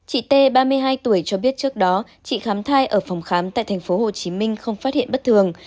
chị t ba mươi hai tuổi cho biết trước đó chị khám thai ở phòng khám tại tp hcm không phát hiện bất thường